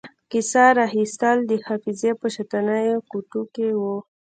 کیسه را اخیستل د حافظې په شاتنیو کوټو کې وو.